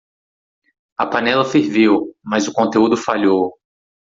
A panela ferveu, mas o conteúdo falhou.